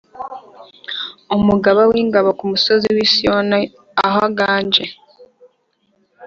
Umugaba w’ingabo ku musozi wa Siyoni aho aganje.